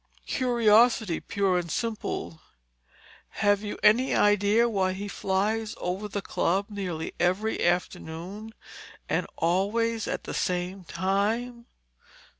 "Curiosity, pure and simple. Have you any idea why he flies over the Club nearly every afternoon, and always at the same time?"